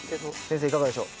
先生いかがでしょう？